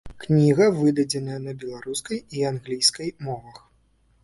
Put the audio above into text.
Кніга выдадзеная на беларускай і англійскай мовах.